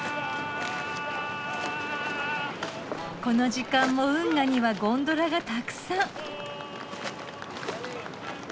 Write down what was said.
この時間も運河にはゴンドラがたくさん。